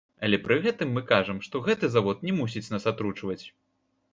Але пры гэтым мы кажам, што гэты завод не мусіць нас атручваць.